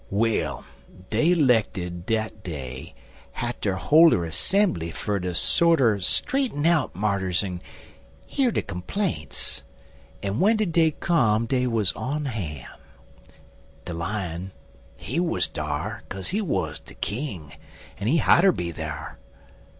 Well, dey 'lected dat dey hatter hol' er 'sembly fer ter sorter straighten out marters en hear de complaints, en w'en de day come dey wuz on han'. De Lion, he wuz dar, kase he wuz de king, en he hatter be der.